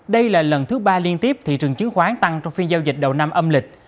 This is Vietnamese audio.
đây là lần thứ ba liên tiếp thị trường chứng khoán tăng trong phiên giao dịch đầu năm âm lịch